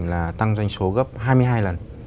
là tăng doanh số gấp hai mươi hai lần